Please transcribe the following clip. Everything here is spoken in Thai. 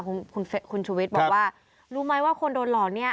คุณคุณชุวิตบอกว่ารู้ไหมว่าคนโดนหลอกเนี่ย